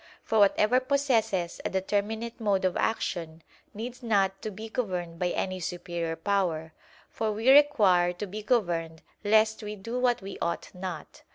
For whatever possesses a determinate mode of action, needs not to be governed by any superior power; for we require to be governed lest we do what we ought not.